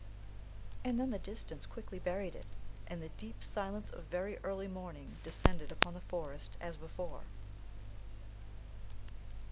And then the distance quickly buried it, and the deep silence of very early morning descended upon the forest as before.